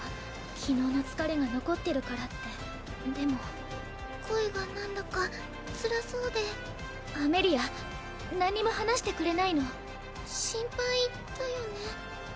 昨日の疲れが残ってるからってでも声が何だかつらそうでアメリア何も話してくれないの心配だよね